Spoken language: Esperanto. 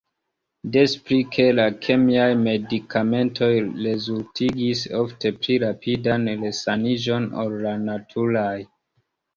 Des pli ke la kemiaj medikamentoj rezultigis ofte pli rapidan resaniĝon ol la naturaj.